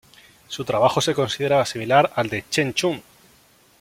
Su trabajo se consideraba similar al de Chen Chun.